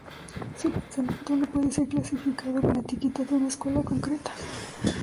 Su pensamiento no puede ser clasificado con la etiqueta de una escuela concreta.